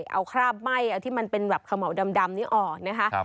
เอาคราบไหม้เอาที่มันเป็นแบบเขม่าวดำนี้ออกนะคะ